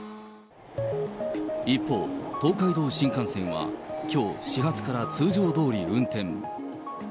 一方、東海道新幹線はきょう、始発から通常どおり運転。